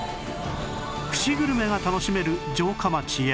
串グルメが楽しめる城下町や